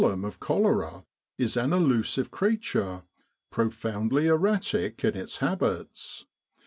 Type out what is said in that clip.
Epidemic Diseases of cholera is an elusive creature, profoundly erratic in its habits.